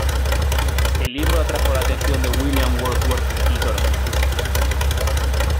El libro atrajo la atención de William Wordsworth y Dorothy.